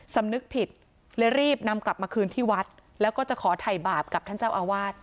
สำนึกผิดเลยรีบนำกลับมาคืนที่วัดแล้วก็จะขอถ่ายบาปกับท่านเจ้าอาวาส